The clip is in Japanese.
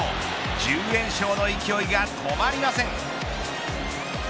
１０連勝の勢いが止まりません。